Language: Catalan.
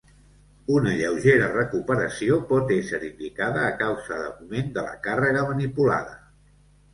Una lleugera recuperació pot ésser indicada a causa d'augment de la càrrega manipulada.